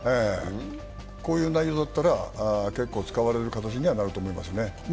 こういう内容だったら、結構使われる形にはなると思いますね。